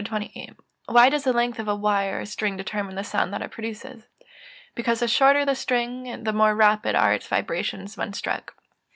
Why does the length of a wire or string determine the sound that it produces? Because the shorter the string the more rapid are its vibrations when struck.